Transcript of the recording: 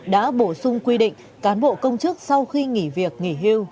đã bổ sung quy định cán bộ công chức sau khi nghỉ việc nghỉ hưu